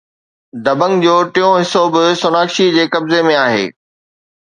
دبنگ جو ٽيون حصو به سوناکشي جي قبضي ۾ آهي